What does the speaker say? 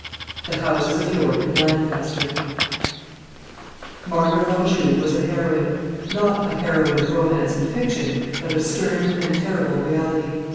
THE HOUSES OF YORK AND LANCASTER. [Sidenote: A real heroine.] Margaret of Anjou was a heroine; not a heroine of romance and fiction, but of stern and terrible reality.